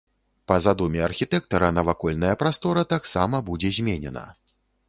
Па задуме архітэктара, навакольная прастора таксама будзе зменена.